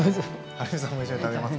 はるみさんも一緒に食べますか。